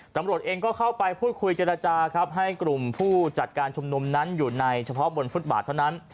ตำรวจเองก็เข้าไปพูดคุยเจรจาครับให้กลุ่มผู้จัดการชุมนุมนั้นอยู่ในเฉพาะบนฟุตบาทเท่านั้น